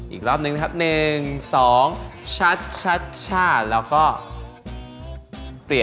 อีกรอบหนึ่งนะครับ๑๒ชัดชัดช่าแล้วก็เปลี่ยนมานะครับ